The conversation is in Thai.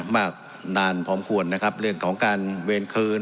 มากนานพอควรนะครับเรื่องของการเวรคืน